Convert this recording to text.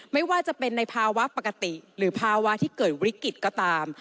ไม่ว่าจะเป็นในภาวะปกติหรือภาวะที่เกิดวิกฤตก็ตาม